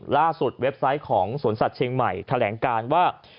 ล่าสุดเว็บไซต์ของสนศัษฐเชียงใหม่แถลงการว่า